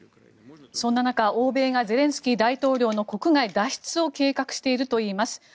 そんな中、欧米がゼレンスキー大統領の国外脱出を計画しているといいます。